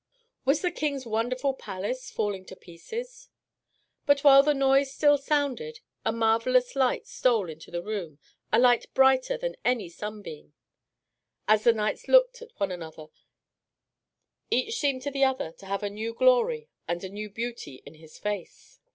Was the King's wonderful palace falling to pieces? But while the noise still sounded a marvelous light stole into the room, a light brighter than any sunbeam. As the knights looked at one another, each seemed to the other to have a new glory and a new beauty in his face.